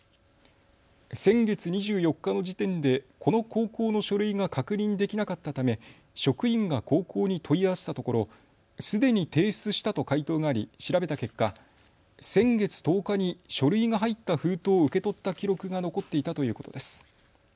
先月２４日の時点でこの高校の書類が確認できなかったため職員が高校に問い合わせたところすでに提出したと回答があり調べた結果、先月１０日に書類が入った封筒を受け取った記録が残っていたということです。